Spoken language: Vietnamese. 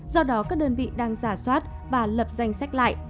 do đó các đơn vị đang giả soát và lập danh sách lại